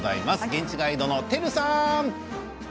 現地ガイドのテルさん。